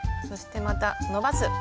そしてまた伸ばす！